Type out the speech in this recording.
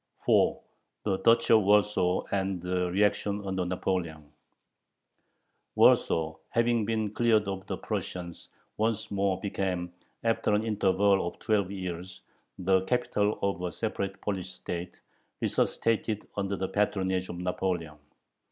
4. THE DUCHY OF WARSAW AND THE REACTION UNDER NAPOLEON Warsaw, having been cleared of the Prussians, once more became, after an interval of twelve years, the capital of a separate Polish state, resuscitated under the patronage of Napoleon.